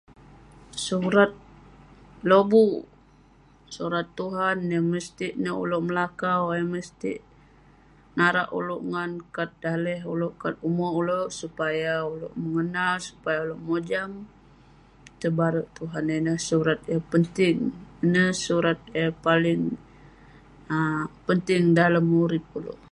Surat lobuk, surat tuhan neh mestik nin ulouk melakau..mestik narak ulouk ngan kat daleh ulouk, kat umerk ulouk..supaya ulouk mengenal, supaya ulouk mojam, tebarek tuhan ineh..surat yah penting..ineh surat eh paling um penting dalem urip ulouk..